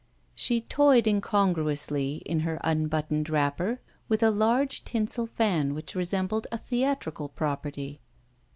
She toyed incongruously, in her unbuttoned wrapper, with a large tinsel fan which resembled a theatrical property.